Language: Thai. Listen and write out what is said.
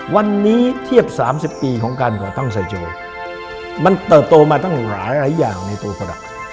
วันนี้เทียบ๓๐ปีของการก่อตั้งไซโจมันเติบโตมาตั้งหลายอย่างในตัวสลัก